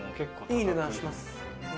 いい値段しますよね。